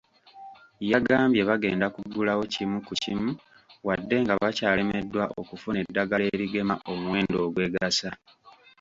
Yagambye bagenda kuggulawo kimu ku kimu wadde nga bakyalemeddwa okufuna eddagala erigema omuwendo ogwegasa.